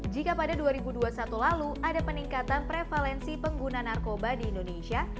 jika pada dua ribu dua puluh satu lalu ada peningkatan prevalensi pengguna narkoba di indonesia